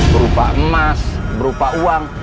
berupa emas berupa uang